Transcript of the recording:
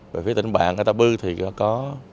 về phía tỉnh bạn atta bư thì có